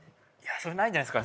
それはないんじゃないですか